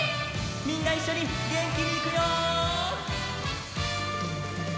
みんないっしょにげんきにいくよ！